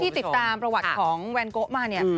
ติดตามประวัติของแวนโกะมาเนี่ย